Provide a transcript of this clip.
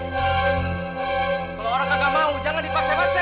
kalo orang gak mau jangan dipaksa paksa